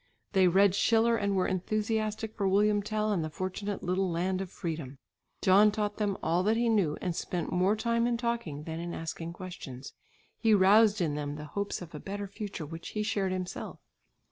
They read Schiller and were enthusiastic for William Tell and the fortunate little land of freedom. John taught them all that he knew and spent more time in talking than in asking questions; he roused in them the hopes of a better future which he shared himself.